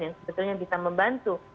yang sebetulnya bisa membantu